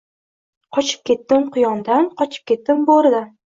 Qochib ketdim quyondan, qochib ketdim bo’ridan